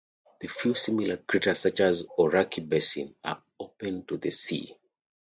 A few similar craters such as Orakei Basin are open to the sea.